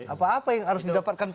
apa apa yang harus didapatkan